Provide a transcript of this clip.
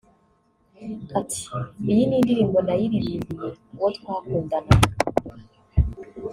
Ati “Iyi ni indirimbo nayiririmbiye uwo twakundanaga